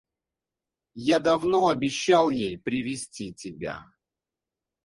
Я давно обещал ей привезти тебя.